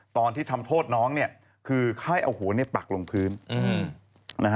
ตอนที่ทำโทษน้องคือค่อยเอาหัวปักลงพื้น